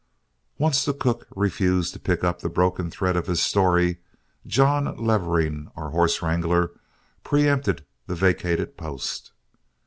Once the cook refused to pick up the broken thread of his story, John Levering, our horse wrangler, preempted the vacated post.